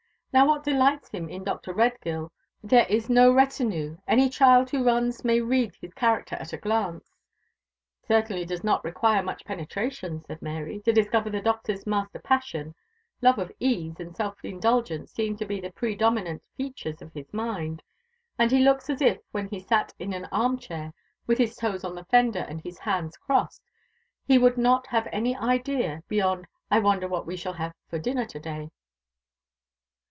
Now what delights him in Dr. Redgill, there is no retenu any child who runs may read his character at a glance." "It certainly does not require much penetration," said Mary, "to discover the Doctor's master passion; love of ease and self indulgence seem to be the pre dominant features of his mind; and he looks as if, when he sat in an arm chair, with his toes on the fender and his hands crossed, he would not have an idea beyond 'I wonder what we shall have for dinner to day.'"